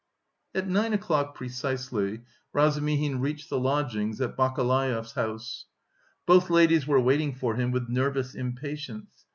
At nine o'clock precisely Razumihin reached the lodgings at Bakaleyev's house. Both ladies were waiting for him with nervous impatience.